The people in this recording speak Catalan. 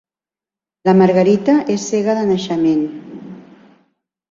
La Margarita és cega de naixement.